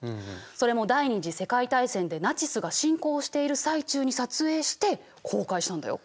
それも第二次世界大戦でナチスが侵攻している最中に撮影して公開したんだよ。